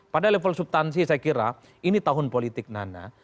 pada level subtansi saya kira ini tahun politik nana